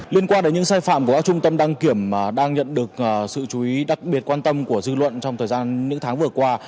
liên quan đến những sai phạm của các trung tâm đăng kiểm đang nhận được sự chú ý đặc biệt quan tâm của dư luận trong thời gian những tháng vừa qua